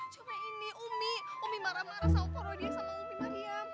cuma ini umi umi marah marah sama umi mariam